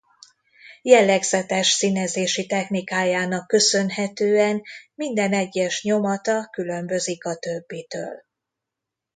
Jellegzetes színezési technikájának köszönhetően minden egyes nyomata különbözik a többitől.